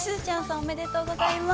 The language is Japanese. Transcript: おめでとうございます。